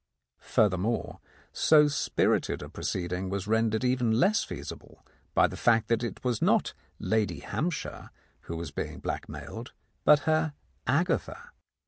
Furthermore, so spirited a proceeding was rendered even less feasible by the fact that it was not Lady Hampshire who was being blackmailed, but her Agatha.